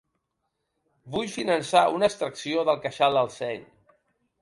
Vull finançar una extracció del queixal del seny.